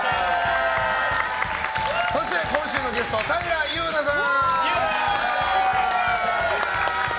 そして、今週のゲスト平祐奈さん！